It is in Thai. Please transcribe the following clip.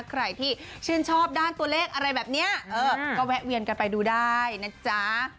ใครที่ชื่นชอบด้านตัวเลขอะไรแบบนี้ก็แวะเวียนกันไปดูได้นะจ๊ะ